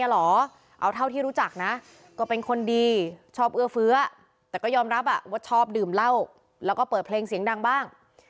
แล้วก็เปิดเพลงเสียงดังบ้าง